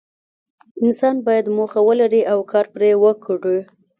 انسان باید موخه ولري او کار پرې وکړي.